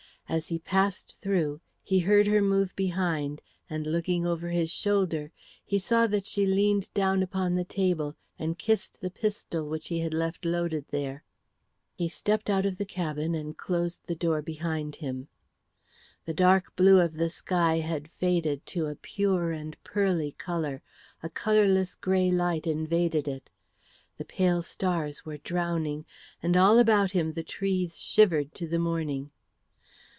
As he passed through, he heard her move behind, and looking over his shoulder, he saw that she leaned down upon the table and kissed the pistol which he had left loaded there. He stepped out of the cabin and closed the door behind him. The dark blue of the sky had faded to a pure and pearly colour; a colourless grey light invaded it; the pale stars were drowning; and all about him the trees shivered to the morning.